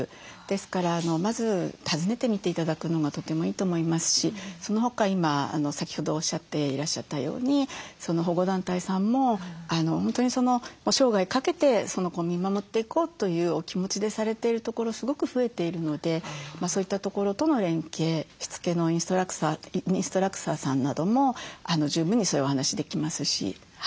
ですからまず訪ねてみて頂くのがとてもいいと思いますしそのほか今先ほどおっしゃっていらっしゃったように保護団体さんも本当に生涯かけてその子を見守っていこうというお気持ちでされているところすごく増えているのでそういったところとの連携しつけのインストラクターさんなども十分にそういうお話できますし。